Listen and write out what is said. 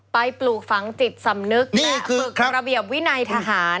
ปลูกฝังจิตสำนึกและฝึกระเบียบวินัยทหาร